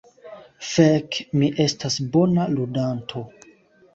Fek, mi estas bona ludanto.